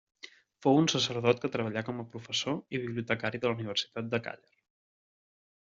Fou un sacerdot que treballà com a professor i bibliotecari de la Universitat de Càller.